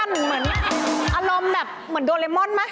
เหมือนอารมณ์แบบเหมือนโดเรมอนไหม